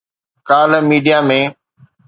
ڪالهه ميڊيا ۾